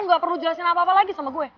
gak perlu jelasin apa apa lagi sama gue